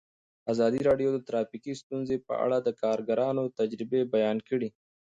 ازادي راډیو د ټرافیکي ستونزې په اړه د کارګرانو تجربې بیان کړي.